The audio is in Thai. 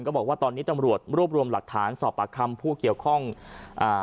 บอกว่าตอนนี้ตำรวจรวบรวมหลักฐานสอบปากคำผู้เกี่ยวข้องอ่า